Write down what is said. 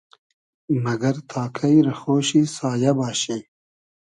مئگئر تا کݷ رۂ خۉشی سایۂ باشی؟